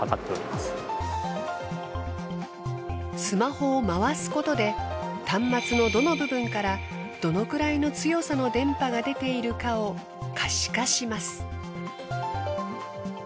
スマホを回すことで端末のどの部分からどのくらいの強さの電波が出ているかを可視化します。